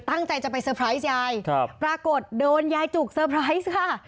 ตั้งใจจะไปเซอร์ไพรส์ยายปรากฏโดนยายจุกเซอร์ไพรส์ค่ะ